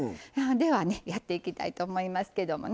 では、やっていきたいと思いますけれどね